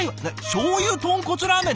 しょうゆ豚骨ラーメンって！